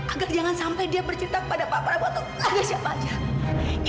agar jangan sampai dia bercerita kepada pak prabu atau lagi siapa saja